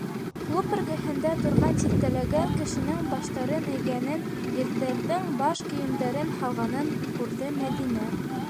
Клуб эргәһендә торған тиҫтәләгән кешенең баштарын эйгәнен, ирҙәрҙең баш кейемдәрен һалғанын күрҙе Мәҙинә.